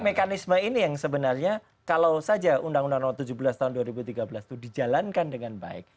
mekanisme ini yang sebenarnya kalau saja undang undang nomor tujuh belas tahun dua ribu tiga belas itu dijalankan dengan baik